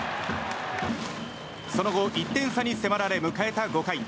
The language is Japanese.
その後１点差に迫られ迎えた５回。